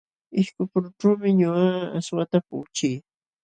Ishkupurućhuumi ñuqaqa aswata puquchii.